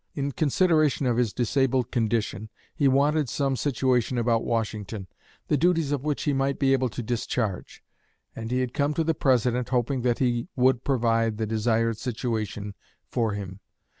In consideration of his disabled condition, he wanted some situation about Washington, the duties of which he might be able to discharge; and he had come to the President, hoping that he would provide the desired situation for him.